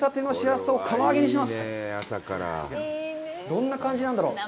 どんな感じなんだろう。